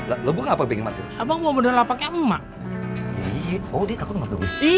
abang mau bener bener pakai emak